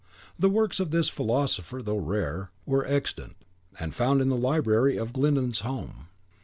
The works of this philosopher, though rare, were extant, and found in the library of Glyndon's home.